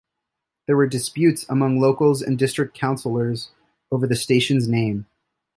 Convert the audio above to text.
There were disputes among locals and district councillors over the station's name.